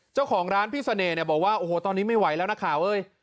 เจ้าของร้านพี่เสน่ห์เนี่ยบอกว่าโอ้โหตอนนี้ไม่ไหวแล้วนักข่าวเอ้ย